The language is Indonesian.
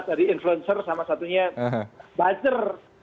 nah ada yang kata buzzer sama satunya buzzer